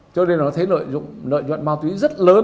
cho nên nó thấy nội dụng ma túy rất lớn